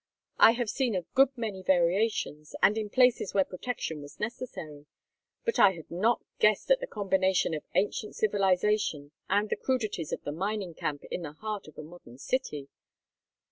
I have seen a good many variations, and in places where protection was necessary. But I had not guessed at the combination of ancient civilization and the crudities of the mining camp in the heart of a modern city.